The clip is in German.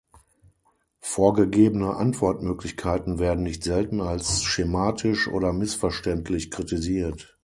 Vorgegebene Antwortmöglichkeiten werden nicht selten als schematisch oder missverständlich kritisiert.